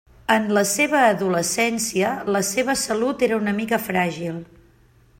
En la seva adolescència, la seva salut era una mica fràgil.